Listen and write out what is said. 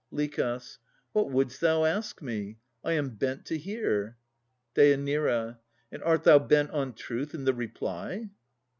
LICH. What wouldst thou ask me? I am bent to hear. DÊ. And art thou bent on truth in the reply?